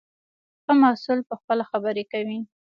ښه محصول پخپله خبرې کوي.